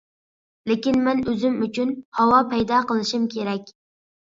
لېكىن، مەن ئۆزۈم ئۈچۈن ھاۋا پەيدا قىلىشىم كېرەك.